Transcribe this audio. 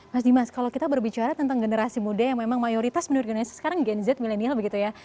mas dimas kalau kita berbicara tentang generasi muda yang memang mayoritas menurut generasi sekarang gen z milenial begitu ya